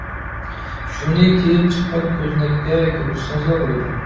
شۇنى كىيىن چىققان كۆزنەككە كىرگۈزسىڭىزلا بولىدۇ.